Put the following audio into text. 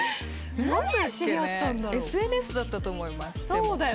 ＳＮＳだったと思います。